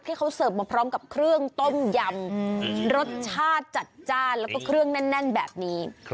เขาเสิร์ฟมาพร้อมกับเครื่องต้มยำรสชาติจัดจ้านแล้วก็เครื่องแน่นแบบนี้